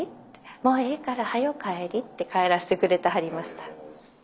もうええからはよ帰り」って帰らせてくれてはりました。